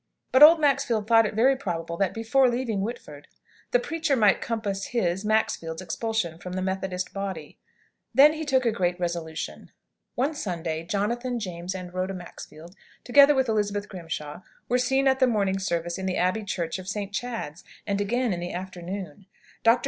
But old Maxfield thought it very probable that, before leaving Whitford, the preacher might compass his (Maxfield's) expulsion from the Methodist body. Then he took a great resolution. One Sunday, Jonathan, James, and Rhoda Maxfield, together with Elizabeth Grimshaw, were seen at the morning service in the abbey church of St. Chad's, and again in the afternoon. Dr.